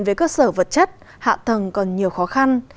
với cơ sở vật chất hạ thần còn nhiều khó khăn